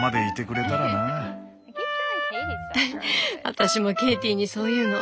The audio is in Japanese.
私もケイティにそう言うの。